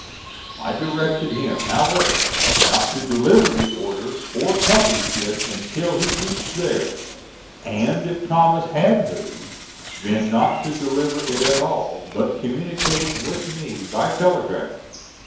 I directed him, however, not to deliver the order or publish it until he reached there, and if Thomas had moved, then not to deliver it at all, but communicate with me by telegraph.